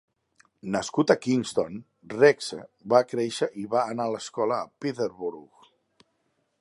Nascut a Kingston, Rexe va créixer i va anar a l"escola a Peterborough.